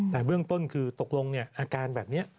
แต่เบื้องต้นคือตกลงอาการแบบนี้